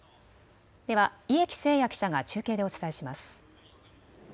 では家喜誠也記者が中継でお伝えします。